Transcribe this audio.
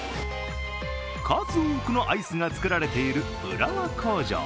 数多くのアイスが作られている浦和工場。